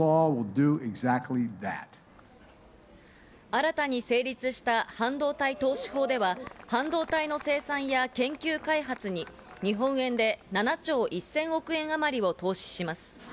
新たに成立した半導体投資法では半導体の生産や研究開発に、日本円で７兆１０００億円あまりを投資します。